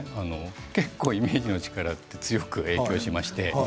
結構、イメージの力は強く影響します。